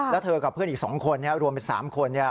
แล้วเธอกับเพื่อนอีก๒คนรวมเป็น๓คน